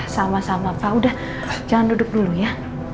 sama sama pak udah jangan duduk dulu ya